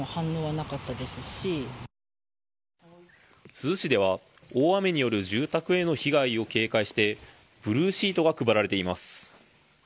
珠洲市では大雨による住宅への被害を警戒してブルーシートが配られています。